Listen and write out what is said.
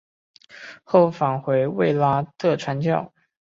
后返回卫拉特传教。